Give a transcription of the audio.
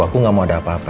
aku gak mau ada apa apa